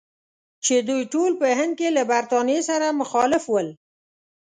چې دوی ټول په هند کې له برټانیې سره مخالف ول.